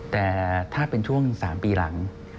แต่ถ้าเป็นช่วง๓ปีหลัง